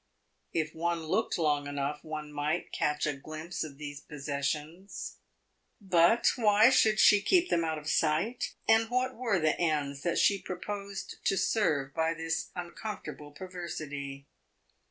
If one looked long enough one might catch a glimpse of these possessions. But why should she keep them out of sight, and what were the ends that she proposed to serve by this uncomfortable perversity?